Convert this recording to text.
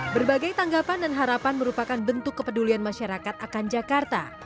berbagai tanggapan dan harapan merupakan bentuk kepedulian masyarakat akan jakarta